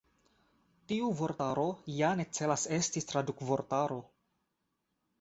Tiu vortaro ja ne celas esti tradukvortaro.